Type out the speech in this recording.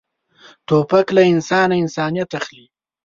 توپک له انسانه انسانیت اخلي.